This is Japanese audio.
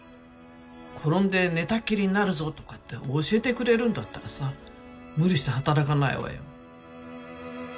「転んで寝たきりになるぞ」とかって教えてくれるんだったらさ無理して働かないわよ。